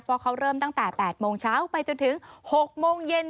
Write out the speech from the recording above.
เพราะเขาเริ่มตั้งแต่๘โมงเช้าไปจนถึง๖โมงเย็น